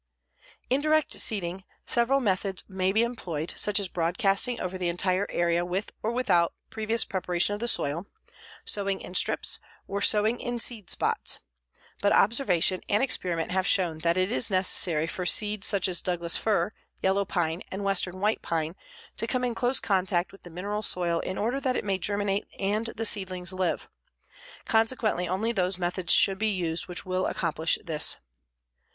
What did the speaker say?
In direct seeding, several different methods may be employed, such as broadcasting over the entire area with or without previous preparation of the soil, sowing in strips, or sowing in seed spots; but observation and experiment have shown that it is necessary for seed such as Douglas fir, yellow pine and western white pine to come in close contact with the mineral soil in order that it may germinate and the seedlings live; consequently only those methods should be used which will accomplish this.